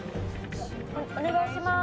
お願いします。